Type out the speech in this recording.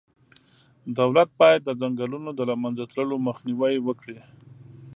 دولت باید د ځنګلونو د له منځه تللو مخنیوی وکړي.